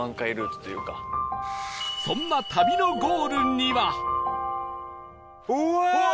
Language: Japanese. そんな旅のゴールには